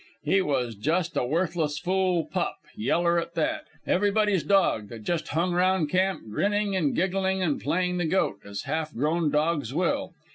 He was just a worthless fool pup, yeller at that, everybody's dog, that just hung round camp, grinning and giggling and playing the goat, as half grown dogs will.